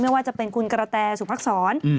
ไม่ว่าจะเป็นคุณกระแตสุภักษร